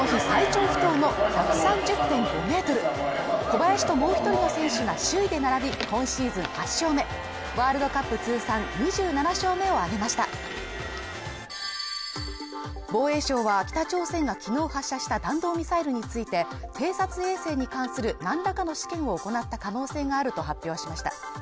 最長不倒の１３０．５メートル小林ともう一人の選手が首位で並び今シーズン８勝目ワールドカップ通算２７勝目を挙げました防衛省は北朝鮮がきのう発射した弾道ミサイルについて偵察衛星に関するなんらかの試験を行った可能性があると発表しました